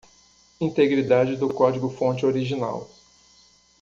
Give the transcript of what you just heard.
Integridade do código fonte original.